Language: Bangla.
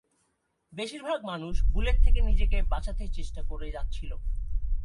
বেশিরভাগ মানুষ বুলেট থেকে নিজেকে বাঁচাতে চেষ্টা করে যাচ্ছিল।